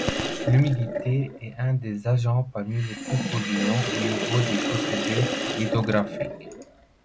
L'humidité est un des agents parmi les plus polluants au niveau des procédés lithographiques.